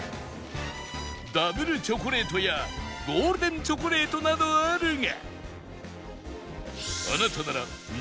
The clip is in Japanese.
ダブルチョコレートやゴールデンチョコレートなどあるが